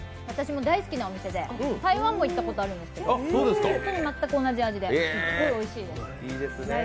私も大好きなお店で台湾も行ったことあるんですけどここも全く同じ味で、すごいおいしいです。